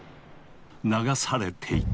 流されていった。